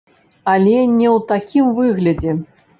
Але не ў такім выглядзе.